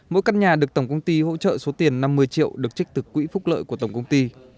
mỗi căn nhà được tổng công ty hỗ trợ số tiền năm mươi triệu được trích từ quỹ phúc lợi của tổng công ty